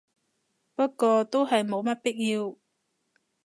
不過都係冇乜必要